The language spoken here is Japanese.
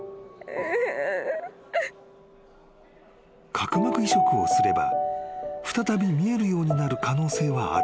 ［角膜移植をすれば再び見えるようになる可能性はある］